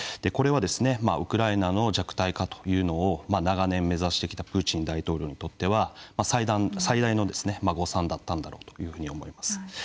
これは、ウクライナの弱体化というのを長年、目指してきたプーチン大統領にとっては最大の誤算だったんだろうというふうに思います。